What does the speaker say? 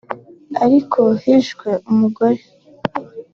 Ariko hishwe umugore